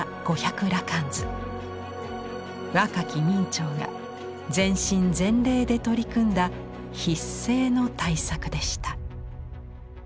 若き明兆が全身全霊で取り組んだ畢生の大作でした。